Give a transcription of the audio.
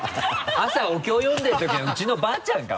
朝お経読んでる時のウチのばあちゃんか！